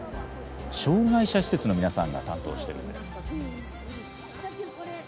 障がい者施設の皆さんが担当してるんです。